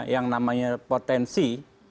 yang namanya potensi